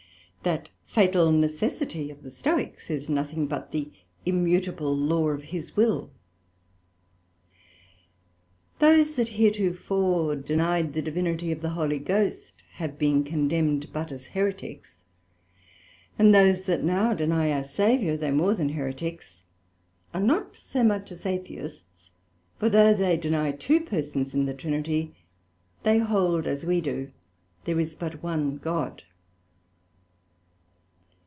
That fatal Necessity of the Stoicks, is nothing but the immutable Law of his will. Those that heretofore denied the Divinity of the Holy Ghost, have been condemned, but as Hereticks; and those that now deny our Saviour (though more than Hereticks) are not so much as Atheists: for though they deny two persons in the Trinity, they hold as we do, there is but one God.